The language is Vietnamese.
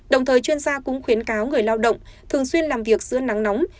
đồng thời chuyên gia cũng khuyến cáo người lao động thường xuyên làm việc giữa nắng nóng